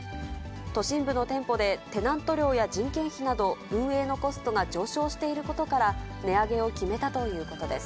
都心部の店舗でテナント料や人件費など運営のコストが上昇していることから、値上げを決めたということです。